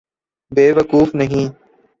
بے وقوف نہیں۔